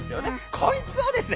こいつをですね